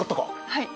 はい。